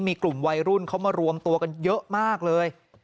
มีกลุ่มวัยรุ่นเขามารวมตัวกันเยอะมากเลย